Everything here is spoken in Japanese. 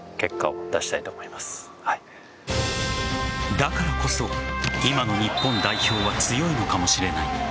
だからこそ、今の日本代表は強いのかもしれない。